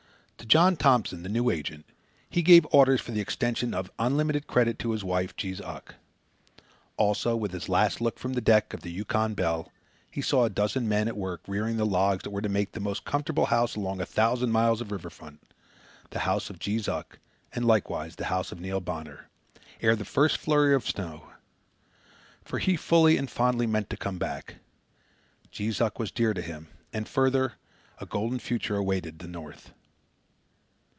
To John Thompson, the new agent, he gave orders for the extension of unlimited credit to his wife, Jees Uck. Also, with his last look from the deck of the Yukon Belle, he saw a dozen men at work rearing the logs that were to make the most comfortable house along a thousand miles of river front the house of Jees Uck, and likewise the house of Neil Bonner ere the first flurry of snow. For he fully and fondly meant to come back. Jees Uck was dear to him, and, further, a golden future awaited the north.